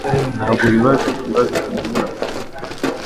Ntabwo bizaba ikibazo kwimura gahunda